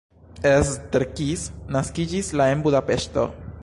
Eszter Kiss naskiĝis la en Budapeŝto.